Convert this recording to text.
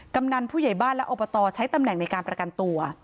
กำนันผู้ใหญ่บ้านและอบตใช้ตำแหน่งในการประกันตัว